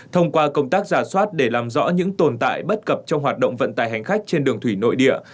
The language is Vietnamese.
thông qua công tác giả soát để làm rõ những tồn tại bất cập trong hoạt động vận tải hành khách trên đường thủy nội địa